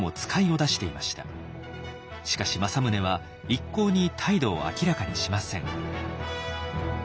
しかし政宗は一向に態度を明らかにしません。